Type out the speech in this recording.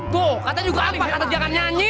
tuh kata juga apa kata jangan nyanyi